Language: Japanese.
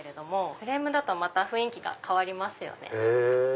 フレームだとまた雰囲気が変わりますよね。